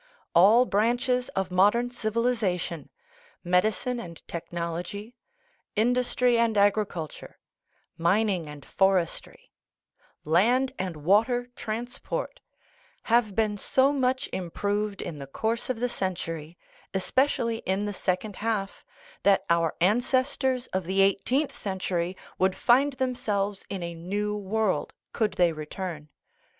All branches of modern civilization medicine and technology, in dustry and agriculture, mining and forestry, land and water transport have been so much improved in the course of the century, especially in the second half, that our ancestors of the eighteenth century would find themselves in a new world, could they return.